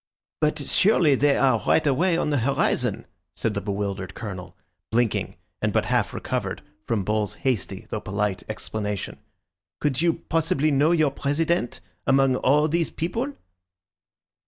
"But surely they are right away on the horizon," said the bewildered Colonel, blinking and but half recovered from Bull's hasty though polite explanation. "Could you possibly know your President among all those people?"